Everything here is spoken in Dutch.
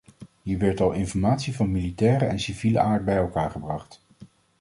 Hier werd al informatie van militaire en civiele aard bij elkaar gebracht.